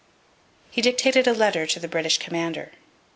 He dictated a letter to the British commander.